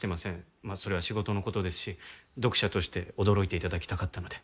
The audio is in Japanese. まあそれは仕事の事ですし読者として驚いて頂きたかったので。